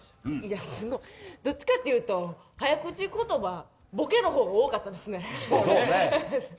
どっちかっていうと早口言葉ボケのほうが多かったですね。